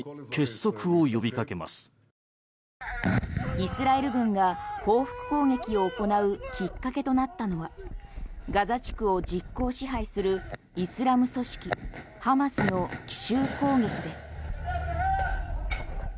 イスラエル軍が報復攻撃を行うきっかけとなったのはガザ地区を実効支配するイスラム組織ハマスの奇襲攻撃です。